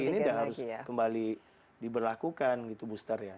tujuh belas juli ini sudah harus kembali diberlakukan booster ya